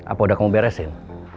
apa udah kamu beresin